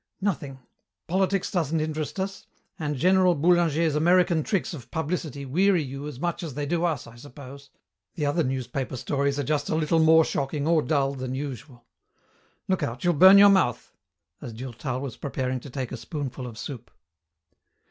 "Nothing. Politics doesn't interest us, and General Boulanger's American tricks of publicity weary you as much as they do us, I suppose. The other newspaper stories are just a little more shocking or dull than usual. Look out, you'll burn your mouth," as Durtal was preparing to take a spoonful of soup.